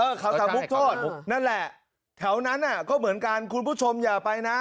เขาสามมุกโทษนั่นแหละแถวนั้นน่ะก็เหมือนกันคุณผู้ชมอย่าไปนะ